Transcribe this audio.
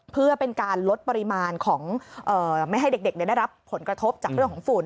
เพื่อเป็นการลดปริมาณของไม่ให้เด็กได้รับผลกระทบจากเรื่องของฝุ่น